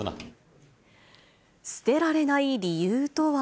捨てられない理由とは。